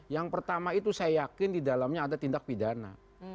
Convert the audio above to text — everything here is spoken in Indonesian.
yang pertama itu saya yakin di dalamnya ada tindak pidana